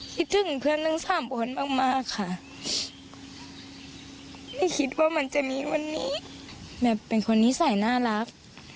คิดถึงเพื่อนทั้งสามคนมากมากค่ะไม่คิดว่ามันจะมีวันนี้แบบเป็นคนนิสัยน่ารัก